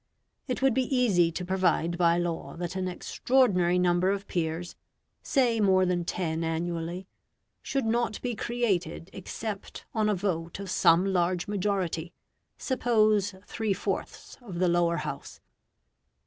It would be easy to provide by law that an extraordinary number of peers say more than ten annually should not be created except on a vote of some large majority, suppose three fourths of the Lower House.